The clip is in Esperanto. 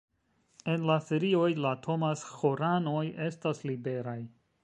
En la ferioj la Thomas-ĥoranoj estas liberaj.